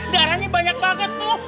darahnya banyak banget tuh